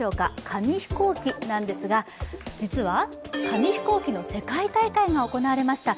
紙飛行機なんですが実は紙飛行機の世界大会が行われました。